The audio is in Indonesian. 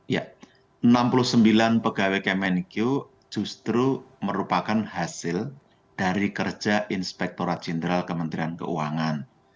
ya enam puluh sembilan pegawai kemenkyu justru merupakan hasil dari kerja inspektora jenderal kementerian keuangan